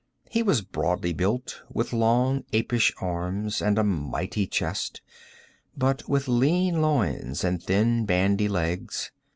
He was broadly built, with long apish arms and a mighty chest, but with lean loins and thin bandy legs.